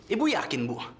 ibu yakin bu